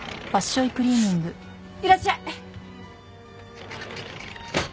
いらっしゃい。